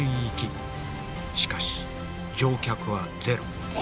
しかし乗客はゼロ。